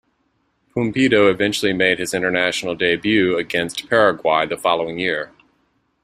Pumpido eventually made his international debut against Paraguay the following year.